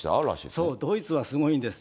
そう、ドイツはすごいんですよ。